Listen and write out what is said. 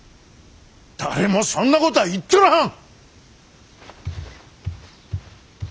誰もそんなことは言っとらん！